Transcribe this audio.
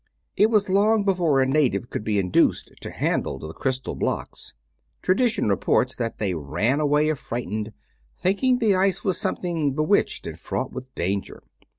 It was long before a native could be induced to handle the crystal blocks. Tradition reports that they ran away affrighted, thinking the ice was something bewitched and fraught with danger.